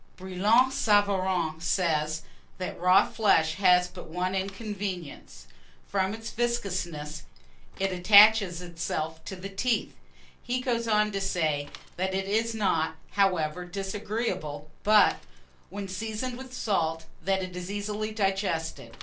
BRILLAT SAVARIN says, that raw flesh has but one inconvenience, from its viscousness it attaches itself to the teeth. He goes on to say, that it is not, however, disagreeable; but, when seasoned with salt, that it is easily digested.